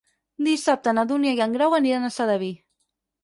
Dissabte na Dúnia i en Grau aniran a Sedaví.